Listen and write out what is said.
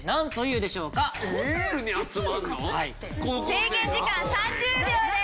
制限時間３０秒です。